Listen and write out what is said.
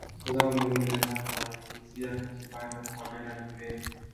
zao muhimu linalowaingizia kipato wabena ni ulezi